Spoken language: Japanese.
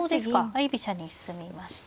相居飛車に進みまして。